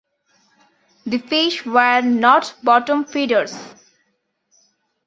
The fish were not bottom feeders.